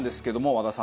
和田さん